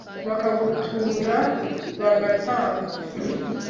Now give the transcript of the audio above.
bakagutura, bagatanga